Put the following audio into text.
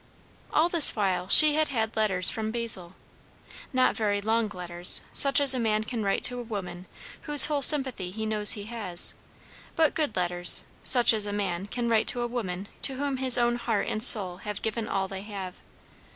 All this while she had had letters from Basil; not very long letters, such as a man can write to a woman whose whole sympathy he knows he has; but good letters, such as a man can write to a woman to whom his own heart and soul have given all they have.